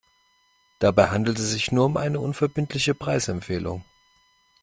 Dabei handelt es sich nur um eine unverbindliche Preisempfehlung.